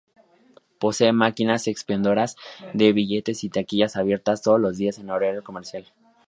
Posee máquinas expendedoras de billetes y taquillas abiertas todos los días en horario comercial.